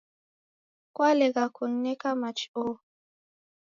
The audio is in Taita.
Kwalegha kunineka machi oho.